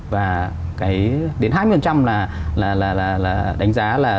và cái đến hai mươi là đánh giá là